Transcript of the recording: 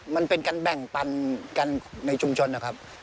มันเป็นการแบ่งปันกันในชุมชนนะครับ